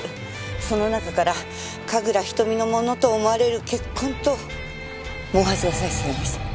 その中から神楽瞳のものと思われる血痕と毛髪が採取されました。